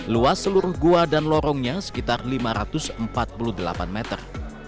luas seluruh gua dan lorongnya sekitar lima ratus empat puluh delapan meter